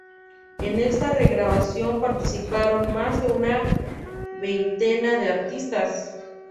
En esta regrabación participaron más de una veintena de artistas.